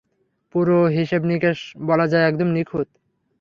পুরো হিসেবনিকেশ বলা যায় একদম নিখুঁত!